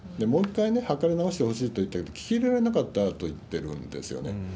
もう一回測り直してほしいといったけど聞き入れられなかったといってるんですよね。